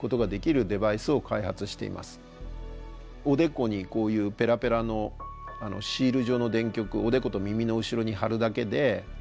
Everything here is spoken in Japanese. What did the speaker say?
おでこにこういうペラペラのシール状の電極をおでこと耳の後ろに貼るだけで脳波が測れるわけですね。